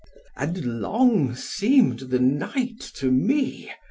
"And long seemed the night to me.